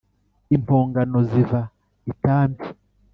impongano ziva i tambi